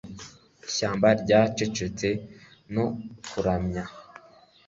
Ishyamba ryaracecetse no kuramya